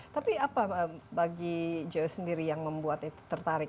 tapi apa bagi j o sendiri yang membuat tertarik